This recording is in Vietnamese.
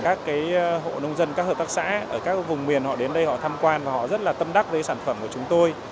các hộ nông dân các hợp tác xã ở các vùng miền họ đến đây họ tham quan và họ rất là tâm đắc với sản phẩm của chúng tôi